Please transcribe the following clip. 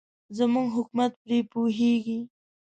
زموږ حکومت پرې پوهېږي.